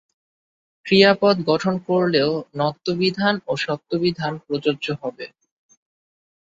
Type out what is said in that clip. ক্রিয়াপদ গঠন করলেও ণ-ত্ব বিধান ও ষ-ত্ব বিধান প্রযোজ্য হবে।